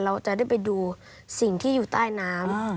เราจะได้ไปดูสิ่งที่อยู่ใต้น้ำ